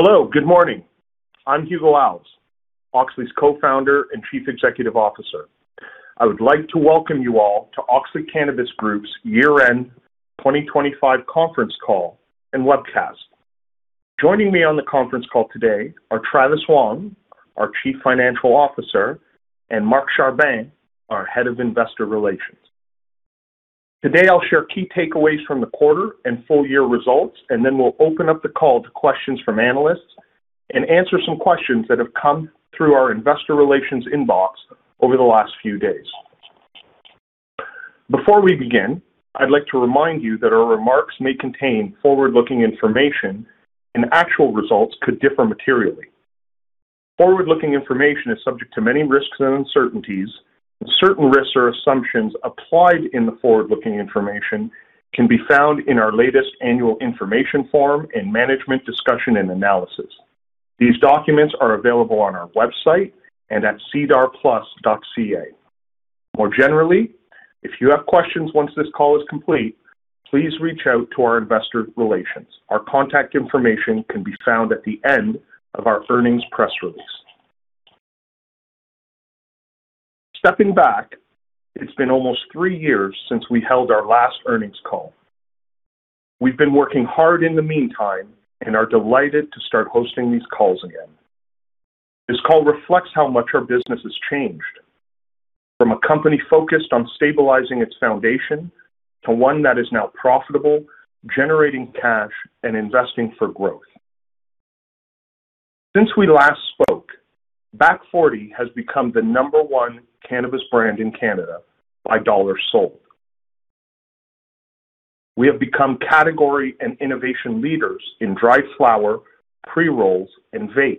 Hello, good morning. I'm Hugo Alves, Auxly's Co-Founder and Chief Executive Officer. I would like to welcome you all to Auxly Cannabis Group's year-end 25 conference call and webcast. Joining me on the conference call today are Travis Wong, our Chief Financial Officer, and Mark Charbonneau, our Head of Investor Relations. Today, I'll share key takeaways from the quarter and full-year results, and then we'll open up the call to questions from analysts and answer some questions that have come through our investor relations inbox over the last few days. Before we begin, I'd like to remind you that our remarks may contain forward-looking information and actual results could differ materially. Forward-looking information is subject to many risks and uncertainties. Certain risks or assumptions applied in the forward-looking information can be found in our latest annual information form and management discussion and analysis. These documents are available on our website and at sedarplus.ca. More generally, if you have questions once this call is complete, please reach out to our investor relations. Our contact information can be found at the end of our earnings press release. Stepping back, it's been almost three years since we held our last earnings call. We've been working hard in the meantime and are delighted to start hosting these calls again. This call reflects how much our business has changed from a company focused on stabilizing its foundation to one that is now profitable, generating cash, and investing for growth. Since we last spoke, Back Forty has become the number one cannabis brand in Canada by dollars sold. We have become category and innovation leaders in dried flower, pre-rolls, and vapes,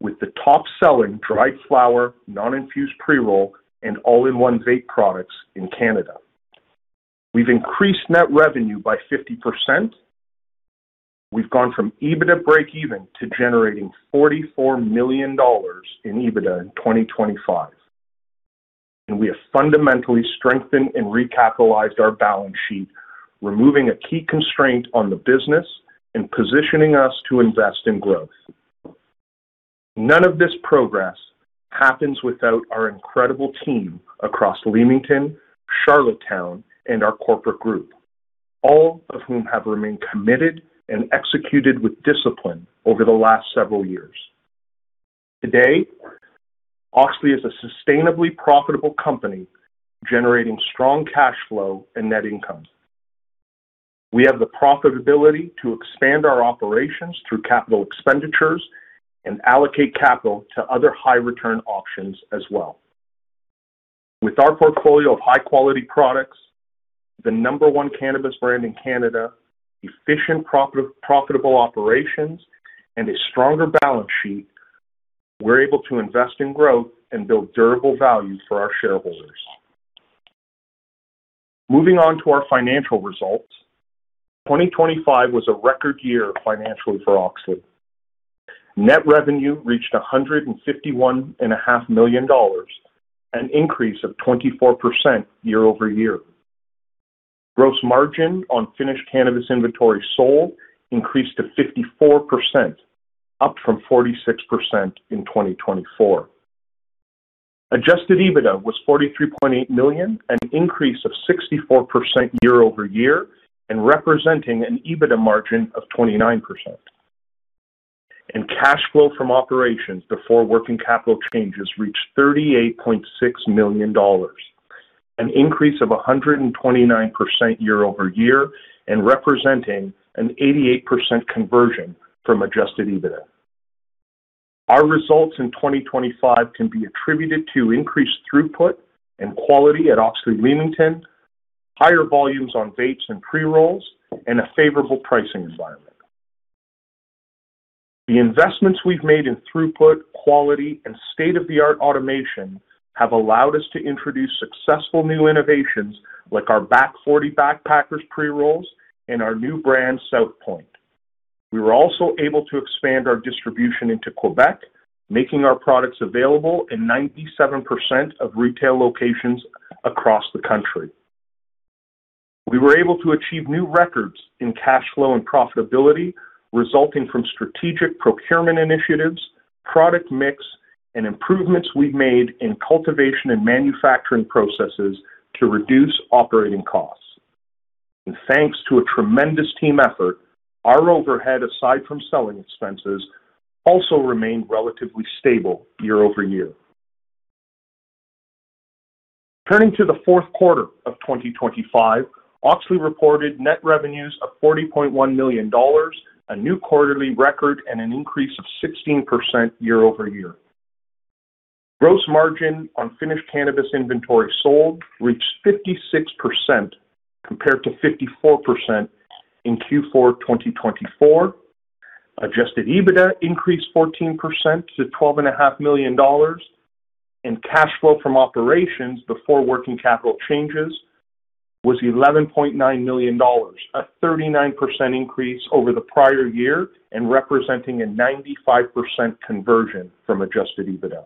with the top-selling dried flower, non-infused pre-roll, and all-in-one vape products in Canada. We've increased net revenue by 50%. We've gone from EBITDA breakeven to generating $44 million in EBITDA in 2025. We have fundamentally strengthened and recapitalized our balance sheet, removing a key constraint on the business and positioning us to invest in growth. None of this progress happens without our incredible team across Leamington, Charlottetown, and our corporate group, all of whom have remained committed and executed with discipline over the last several years. Today, Auxly is a sustainably profitable company, generating strong cash flow and net income. We have the profitability to expand our operations through capital expenditures and allocate capital to other high-return options as well. With our portfolio of high-quality products, the number one cannabis brand in Canada, efficient, profitable operations, and a stronger balance sheet, we're able to invest in growth and build durable value for our shareholders. Moving on to our financial results. 2025 was a record year financially for Auxly. Net revenue reached $ 151.5 million, an increase of 24% year-over-year. Gross margin on finished cannabis inventory sold increased to 54%, up from 46% in 2024. Adjusted EBITDA was $ 43.8 million, an increase of 64% year-over-year and representing an EBITDA margin of 29%. Cash flow from operations before working capital changes reached 38.6 million dollars, an increase of 129% year-over-year and representing an 88% conversion from adjusted EBITDA. Our results in 2025 can be attributed to increased throughput and quality at Auxly Leamington, higher volumes on vapes and pre-rolls, and a favorable pricing environment. The investments we've made in throughput, quality, and state-of-the-art automation have allowed us to introduce successful new innovations like our Back Forty Backpackers pre-rolls and our new brand, South Point. We were also able to expand our distribution into Quebec, making our products available in 97% of retail locations across the country. We were able to achieve new records in cash flow and profitability resulting from strategic procurement initiatives, product mix, and improvements we've made in cultivation and manufacturing processes to reduce operating costs. Thanks to a tremendous team effort, our overhead, aside from selling expenses, also remained relatively stable year-over-year. Turning to the fourth quarter of 2025, Auxly reported net revenues of $ 40.1 million, a new quarterly record and an increase of 16% year-over-year. Gross margin on finished cannabis inventory sold reached 56%, compared to 54% in Q4 2024. Adjusted EBITDA increased 14% to 12.5 million dollars. Cash flow from operations before working capital changes was $ 11.9 million, a 39% increase over the prior year and representing a 95% conversion from adjusted EBITDA.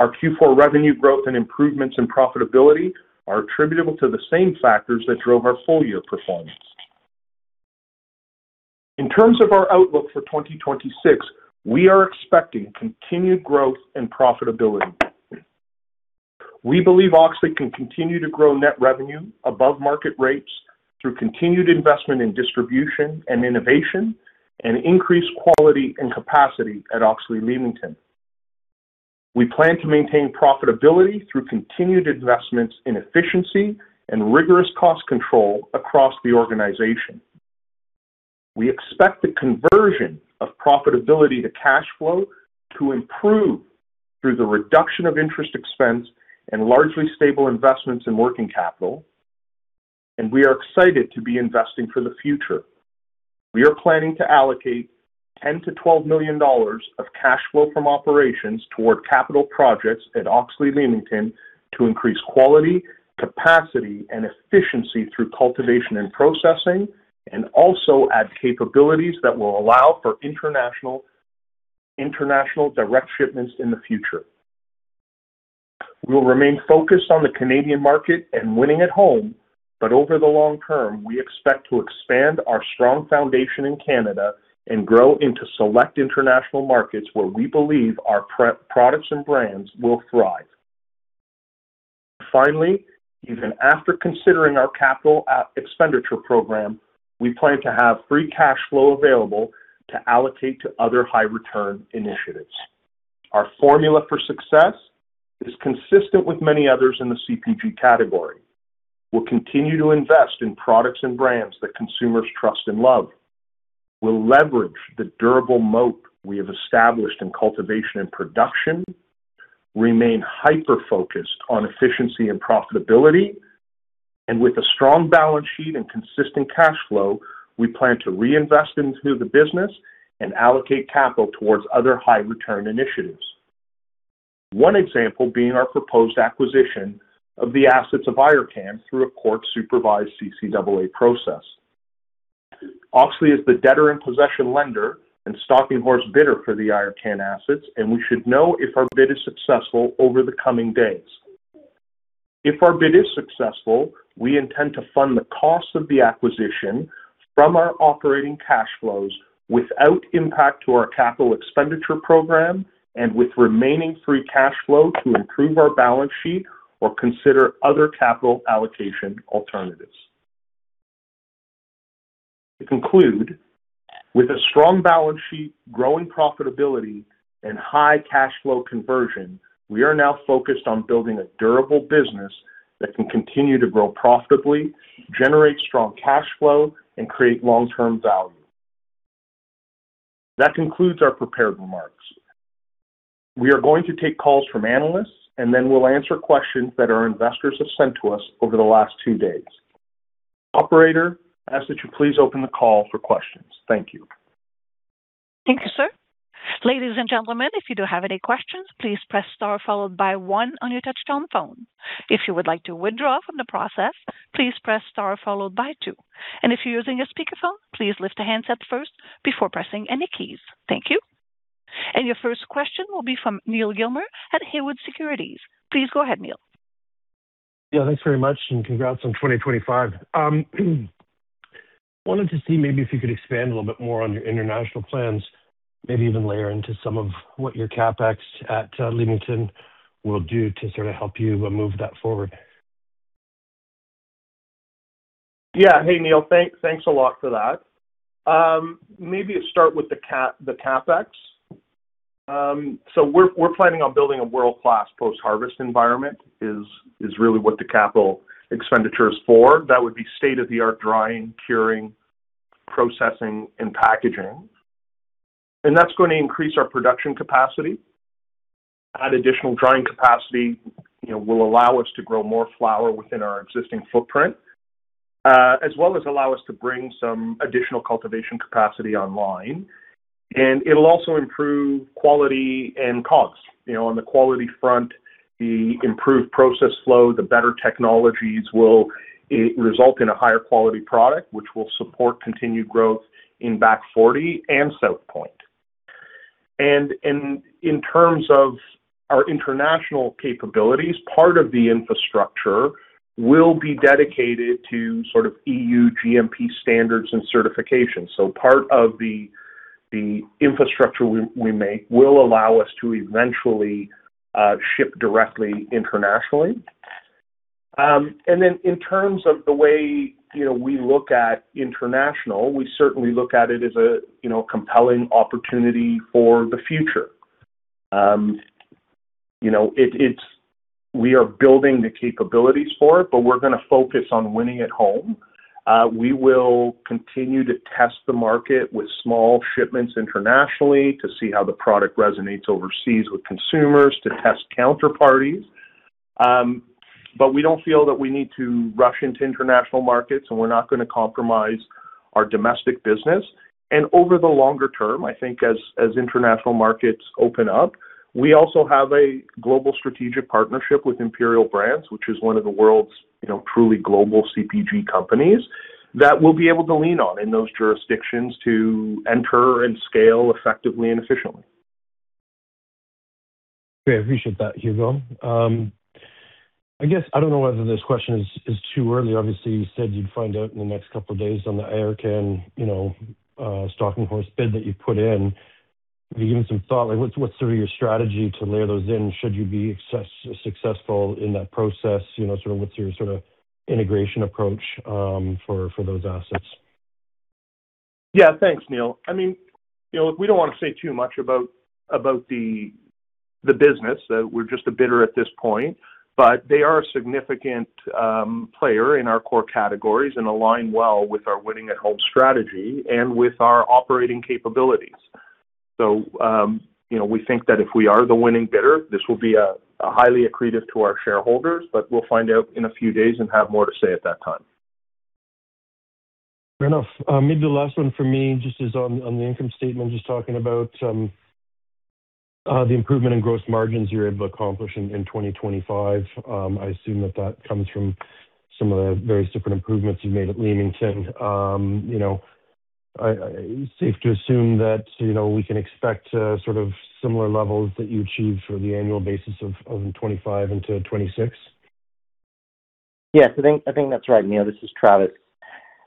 Our Q4 revenue growth and improvements in profitability are attributable to the same factors that drove our full-year performance. In terms of our outlook for 2026, we are expecting continued growth and profitability. We believe Auxly can continue to grow net revenue above market rates through continued investment in distribution and innovation and increased quality and capacity at Auxly Leamington. We plan to maintain profitability through continued investments in efficiency and rigorous cost control across the organization. We expect the conversion of profitability to cash flow to improve through the reduction of interest expense and largely stable investments in working capital. We are excited to be investing for the future. We are planning to allocate $ 10 million- 12 million of cash flow from operations toward capital projects at Auxly Leamington to increase quality, capacity, and efficiency through cultivation and processing, and also add capabilities that will allow for international direct shipments in the future. We will remain focused on the Canadian market and winning at home, but over the long term, we expect to expand our strong foundation in Canada and grow into select international markets where we believe our premium products and brands will thrive. Finally, even after considering our capital expenditure program, we plan to have free cash flow available to allocate to other high return initiatives. Our formula for success is consistent with many others in the CPG category. We'll continue to invest in products and brands that consumers trust and love. We'll leverage the durable moat we have established in cultivation and production. Remain hyper-focused on efficiency and profitability. With a strong balance sheet and consistent cash flow, we plan to reinvest into the business and allocate capital towards other high return initiatives. One example being our proposed acquisition of the assets of Ayurcann through a court-supervised CCAA process. Auxly is the debtor-in-possession lender and stalking horse bidder for the Ayurcann assets, and we should know if our bid is successful over the coming days. If our bid is successful, we intend to fund the cost of the acquisition from our operating cash flows without impact to our capital expenditure program and with remaining free cash flow to improve our balance sheet or consider other capital allocation alternatives. To conclude, with a strong balance sheet, growing profitability, and high cash flow conversion, we are now focused on building a durable business that can continue to grow profitably, generate strong cash flow, and create long-term value. That concludes our prepared remarks. We are going to take calls from analysts, and then we'll answer questions that our investors have sent to us over the last two days. Operator, I ask that you please open the call for questions. Thank you. Thank you, sir. Ladies and gentlemen, if you do have any questions, please press star followed by one on your touchtone phone. If you would like to withdraw from the process, please press star followed by two. If you're using a speakerphone, please lift the handset first before pressing any keys. Thank you. Your first question will be from Neal Gilmer at Haywood Securities. Please go ahead, Neal. Yeah, thanks very much, and congrats on 2025. Wanted to see maybe if you could expand a little bit more on your international plans, maybe even layer into some of what your CapEx at Leamington will do to sort of help you move that forward. Yeah. Hey, Neal. Thanks a lot for that. Maybe start with the CapEx. We're planning on building a world-class post-harvest environment. That is really what the capital expenditure is for. That would be state-of-the-art drying, curing, processing, and packaging. That's gonna increase our production capacity. Adding additional drying capacity, you know, will allow us to grow more flower within our existing footprint, as well as allow us to bring some additional cultivation capacity online. It'll also improve quality and costs. You know, on the quality front, the improved process flow, the better technologies will result in a higher quality product, which will support continued growth in Back Forty and South Point. In terms of our international capabilities, part of the infrastructure will be dedicated to sort of EU GMP standards and certifications. Part of the infrastructure we make will allow us to eventually ship directly internationally. In terms of the way, you know, we look at international, we certainly look at it as a, you know, compelling opportunity for the future. We are building the capabilities for it, but we're gonna focus on winning at home. We will continue to test the market with small shipments internationally to see how the product resonates overseas with consumers to test counterparties. We don't feel that we need to rush into international markets, and we're not gonna compromise our domestic business. Over the longer term, I think as international markets open up, we also have a global strategic partnership with Imperial Brands, which is one of the world's, you know, truly global CPG companies. That we'll be able to lean on in those jurisdictions to enter and scale effectively and efficiently. Okay. I appreciate that, Hugo. I guess I don't know whether this question is too early. Obviously, you said you'd find out in the next couple of days on the Ayurcann, you know, stalking horse bid that you've put in. Have you given some thought, like what's sort of your strategy to layer those in should you be successful in that process? You know, sort of what's your sort of integration approach, for those assets? Yeah. Thanks, Neal. I mean, you know, we don't wanna say too much about the business. We're just a bidder at this point, but they are a significant player in our core categories and align well with our winning at home strategy and with our operating capabilities. You know, we think that if we are the winning bidder, this will be a highly accretive to our shareholders, but we'll find out in a few days and have more to say at that time. Fair enough. Maybe the last one for me, just on the income statement, just talking about the improvement in gross margins you're able to accomplish in 2025. I assume that comes from some of the various different improvements you've made at Leamington. You know, safe to assume that, you know, we can expect sort of similar levels that you achieve for the annual basis of 2025 into 2026? Yes. I think that's right, Neal. This is Travis.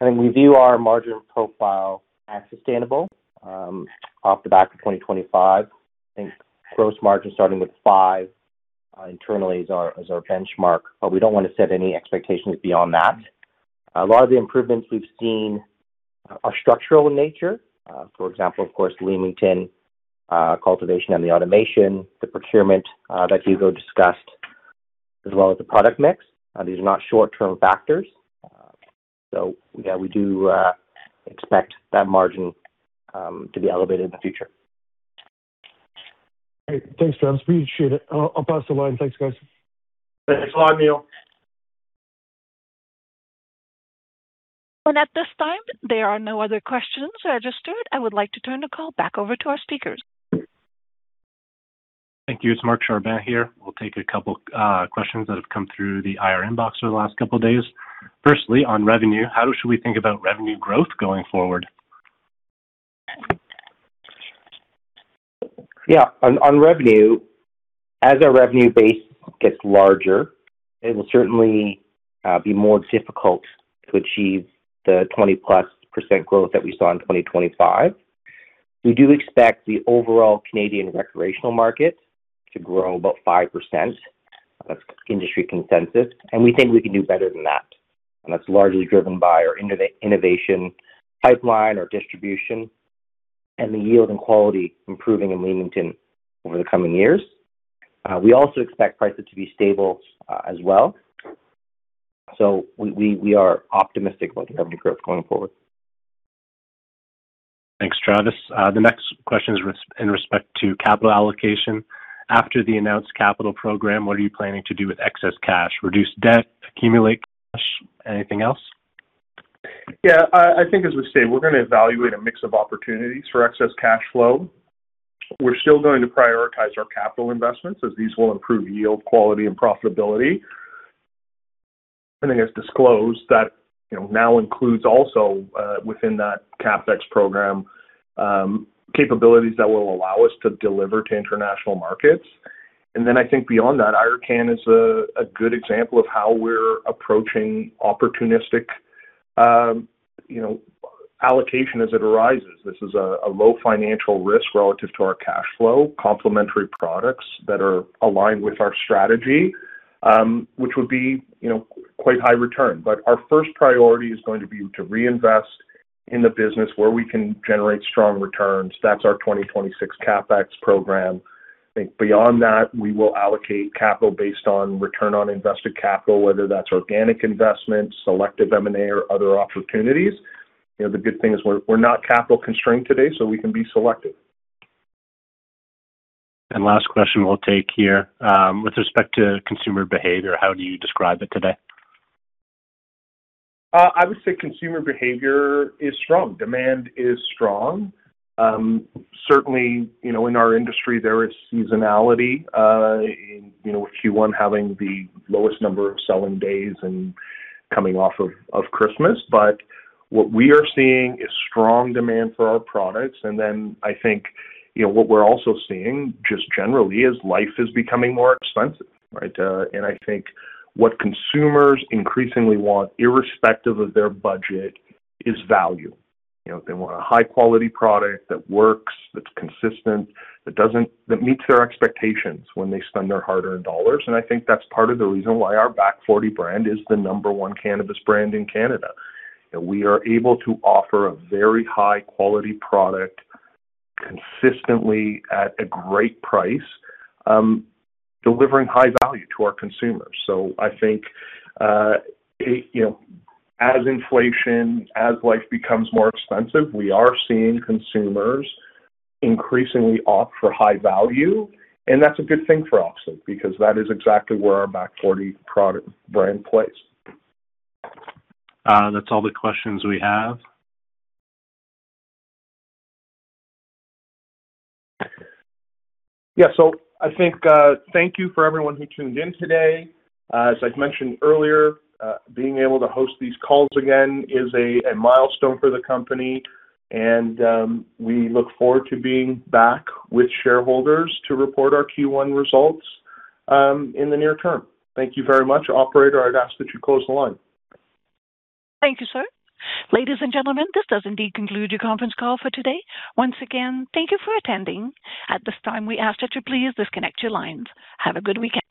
I mean, we view our margin profile as sustainable off the back of 2025. I think gross margin starting with 5% internally is our benchmark, but we don't wanna set any expectations beyond that. A lot of the improvements we've seen are structural in nature. For example, of course, Leamington cultivation and the automation, the procurement that Hugo discussed, as well as the product mix. These are not short-term factors. Yeah, we do expect that margin to be elevated in the future. Great. Thanks, Travis. We appreciate it. I'll pass the line. Thanks, guys. Thanks a lot, Neal. At this time, there are no other questions registered. I would like to turn the call back over to our speakers. Thank you. It's Mark Charbonneau here. We'll take a couple questions that have come through the IR inbox over the last couple days. Firstly, on revenue, how should we think about revenue growth going forward? Yeah. On revenue, as our revenue base gets larger, it will certainly be more difficult to achieve the 20%+ growth that we saw in 2025. We do expect the overall Canadian recreational market to grow about 5%. That's industry consensus, and we think we can do better than that. That's largely driven by our innovation pipeline, our distribution and the yield and quality improving in Leamington over the coming years. We also expect prices to be stable as well. We are optimistic about the revenue growth going forward. Thanks, Travis. The next question is in respect to capital allocation. After the announced capital program, what are you planning to do with excess cash? Reduce debt, accumulate cash, anything else? Yeah. I think as we say, we're gonna evaluate a mix of opportunities for excess cash flow. We're still going to prioritize our capital investments as these will improve yield, quality, and profitability. As disclosed that, you know, now includes also within that CapEx program capabilities that will allow us to deliver to international markets. Then I think beyond that, Ayurcann is a good example of how we're approaching opportunistic, you know, allocation as it arises. This is a low financial risk relative to our cash flow, complementary products that are aligned with our strategy, which would be, you know, quite high return. Our first priority is going to be to reinvest in the business where we can generate strong returns. That's our 2026 CapEx program. I think beyond that, we will allocate capital based on return on invested capital, whether that's organic investments, selective M&A, or other opportunities. You know, the good thing is we're not capital constrained today, so we can be selective. Last question we'll take here. With respect to consumer behavior, how do you describe it today? I would say consumer behavior is strong. Demand is strong. Certainly, you know, in our industry, there is seasonality, in, you know, with Q1 having the lowest number of selling days and coming off of Christmas. What we are seeing is strong demand for our products. I think, you know, what we're also seeing just generally is life is becoming more expensive, right? I think what consumers increasingly want, irrespective of their budget, is value. You know, they want a high quality product that works, that's consistent, that meets their expectations when they spend their hard-earned dollars. I think that's part of the reason why our Back Forty brand is the number one cannabis brand in Canada. You know, we are able to offer a very high quality product consistently at a great price, delivering high value to our consumers. I think, you know, as inflation, as life becomes more expensive, we are seeing consumers increasingly opt for high value, and that's a good thing for Auxly because that is exactly where our Back Forty product brand plays. That's all the questions we have. Yeah. I think, thank you for everyone who tuned in today. As I've mentioned earlier, being able to host these calls again is a milestone for the company. We look forward to being back with shareholders to report our Q1 results in the near term. Thank you very much. Operator, I'd ask that you close the line. Thank you, sir. Ladies and gentlemen, this does indeed conclude your conference call for today. Once again, thank you for attending. At this time, we ask that you please disconnect your lines. Have a good weekend.